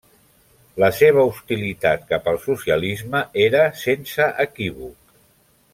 La seva hostilitat cap al socialisme era sense equívoc.